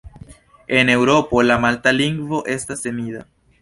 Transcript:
En Eŭropo, la malta lingvo estas semida.